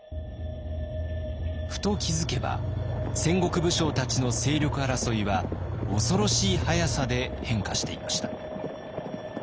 ふと気付けば戦国武将たちの勢力争いは恐ろしい速さで変化していました。